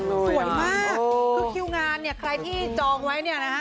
สวยมากคือคิวงานเนี่ยใครที่จองไว้เนี่ยนะฮะ